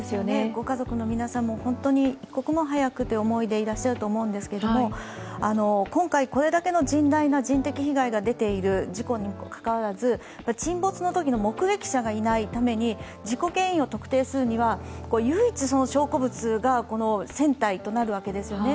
ご家族の皆さんも本当に一刻も早くという思いでいらっしゃると思うんですが今回、これだけの甚大な人的被害が出ている事故にもかかわらず沈没のときの目撃者がいないために事故原因を特定するためには唯一、その証拠物が船体となるわけですね。